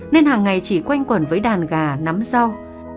nên hàng ngày chỉ quanh quẩn với đàn gà nắm rau